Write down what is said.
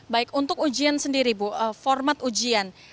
baik untuk ujian sendiri bu format ujian